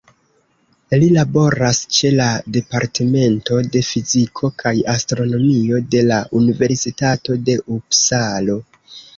Li laboras ĉe la Departemento de Fiziko kaj Astronomio de la Universitato de Upsalo.